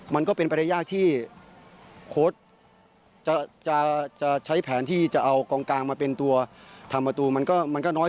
มันก็เป็นไปได้ยากที่โค้ดจะใช้แผนที่จะเอากองกลางมาเป็นตัวทำประตูมันก็น้อย